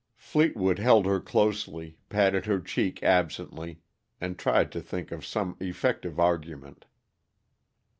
Fleetwood held her closely, patted her cheek absently, and tried to think of some effective argument.